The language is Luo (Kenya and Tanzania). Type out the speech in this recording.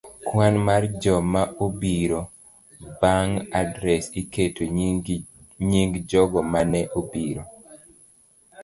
Kwan mar Joma obiro. Bang' adres, iketo nying jogo ma ne obiro